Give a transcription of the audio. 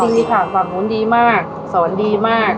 เขาดินที่ฝากฝั่งนู้นดีมากสอนดีมาก